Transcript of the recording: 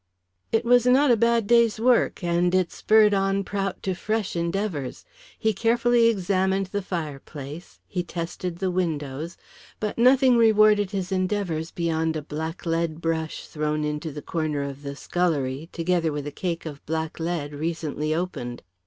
It was not a bad day's work, and it spurred on Prout to fresh endeavours. He carefully examined the fireplace, he tested the windows, but nothing rewarded his endeavours beyond a blacklead brush thrown into the corner of the scullery together with a cake of blacklead recently opened.